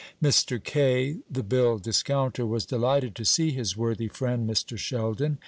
Mr. Kaye, the bill discounter, was delighted to see his worthy friend Mr. Sheldon.